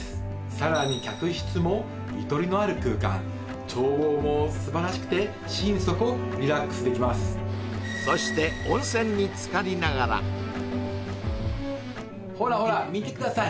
さらに客室もゆとりのある空間眺望も素晴らしくて心底リラックスできますそしてほらほら見てください